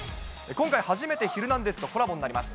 今回、初めてヒルナンデス！とコラボになります。